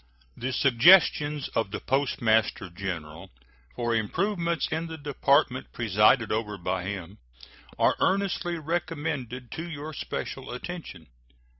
The suggestions of the Postmaster General for improvements in the Department presided over by him are earnestly recommended to your special attention.